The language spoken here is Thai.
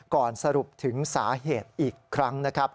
ก่อนสรุปถึงสาเหตุอีกครั้งนะครับ